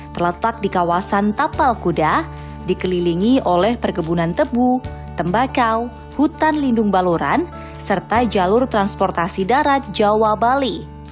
terletak di kawasan tapal kuda dikelilingi oleh perkebunan tebu tembakau hutan lindung baluran serta jalur transportasi darat jawa bali